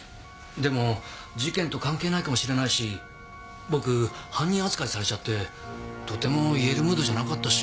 でも事件と関係ないかもしれないし僕犯人扱いされちゃってとても言えるムードじゃなかったし。